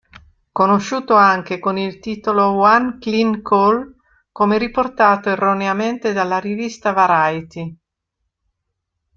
Conosciuto anche con il titolo "One Clean Call" come riportato erroneamente dalla rivista Variety.